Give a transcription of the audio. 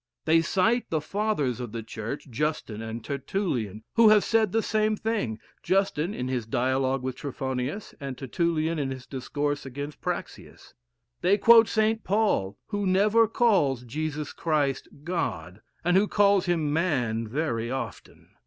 They cite the fathers of the church, Justin and Tertullian, who have said the same thing: Justin in his "Dialogue with Triphonius;" and Tertullian, in his "Discourse against Praxeas." They quote St. Paul, who never calls Jesus Christ, God, and who calls him man very often.